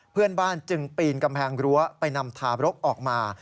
เพื่อนบ้านจึงปีนกำแพงรั้วไปนำทารกออกมา